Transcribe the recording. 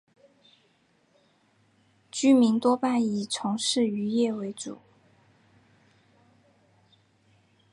居民多半是以从事渔业为主。